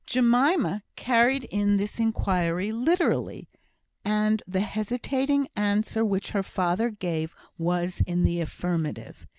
Jemima carried in this inquiry literally; and the hesitating answer which her father gave was in the affirmative.